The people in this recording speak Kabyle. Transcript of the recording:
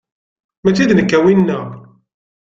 Mačči d nekk winna.